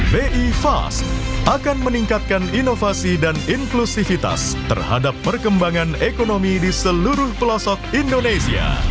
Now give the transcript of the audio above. bi fast akan meningkatkan inovasi dan inklusivitas terhadap perkembangan ekonomi di seluruh pelosok indonesia